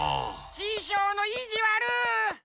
ししょうのいじわる！